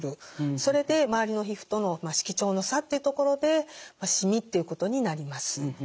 それで周りの皮膚との色調の差っていうところでしみっていうことになります。